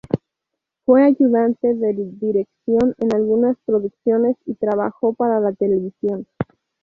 Fue ayudante de dirección en algunas producciones y trabajó para televisión.